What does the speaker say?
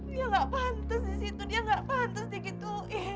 dia nggak pantas di situ